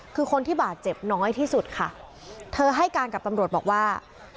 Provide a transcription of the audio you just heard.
คือคนที่บาดเจ็บน้อยที่สุดค่ะเธอให้การกับตำรวจบอกว่า